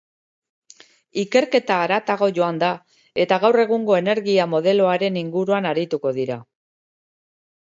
Ikerketa haratago joango da eta gaur egungo energia modeloaren inguruan arituko dira.